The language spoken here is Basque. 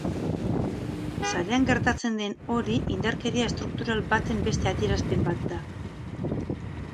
Sarean gertatzen den hori indarkeria estruktural baten beste adierazpen bat da.